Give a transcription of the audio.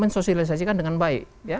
sosialisasikan dengan baik